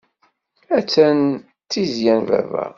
Atan d tizya n baba.